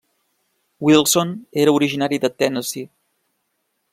Wilson era originari de Tennessee.